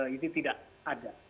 ini tidak ada